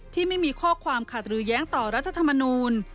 ที่ไม่มีข้อความขัดหรือแย้งต่อรัฐธรรมนูล